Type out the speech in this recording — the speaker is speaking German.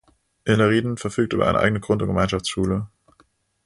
Illerrieden verfügt über eine eigene Grund-, und Gemeinschaftsschule.